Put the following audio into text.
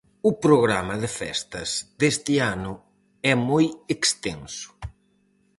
O programa de festas deste ano é moi extenso.